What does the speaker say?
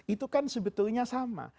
itu kan sebetulnya sama